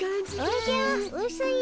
おじゃうすい。